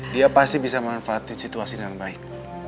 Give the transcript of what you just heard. dia pasti bisa memanfaatkan situasi dengan baik